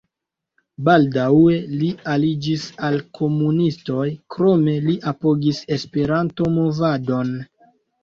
Baldaŭe li aliĝis al komunistoj, krome li apogis Esperanto-movadon.